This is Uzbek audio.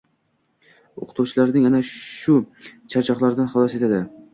O‘qituvchilarning ana shu charchoqlardan xalos etadi.